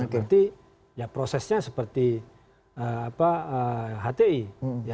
nanti ya prosesnya seperti hti